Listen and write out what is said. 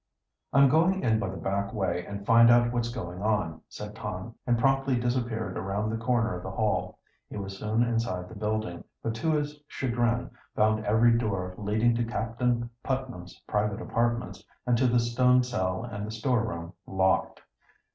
"I'm going in by the back way and find out what's going on," said Tom, and promptly disappeared around the corner of the Hall. He was soon inside the building, but to his chagrin found every door leading to Captain Putnam's private apartments and to the stone cell and the storeroom locked.